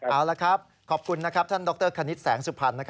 เอาละครับขอบคุณนะครับท่านดรคณิตแสงสุพรรณ